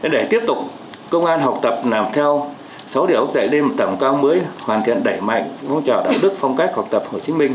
để tiếp tục công an học tập làm theo sáu điều dạy lên một tầm cao mới hoàn thiện đẩy mạnh phong trào đạo đức phong cách học tập hồ chí minh